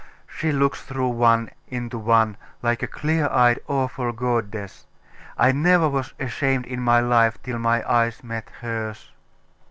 She looks through one into one like a clear eyed awful goddess.... I never was ashamed in my life till my eyes met hers....